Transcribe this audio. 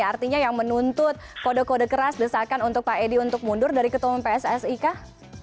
artinya yang menuntut kode kode keras desakan untuk pak edi untuk mundur dari ketua umum pssi kah